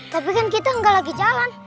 tapi kan kita nggak lagi jalan